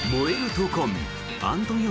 闘魂アントニオ